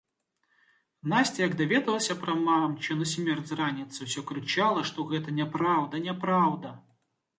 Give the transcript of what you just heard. Насця як даведалася пра мамчыну смерць з раніцы, усё крычала, што гэта няпраўда, няпраўда!